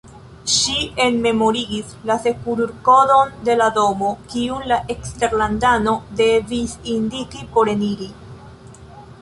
Ŝi enmemorigis la serurkodon de la domo, kiun la eksterlandano devis indiki por eniri.